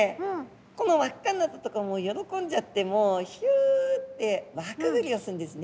この輪っかになったとこ喜んじゃってもうひゅって輪くぐりをするんですね。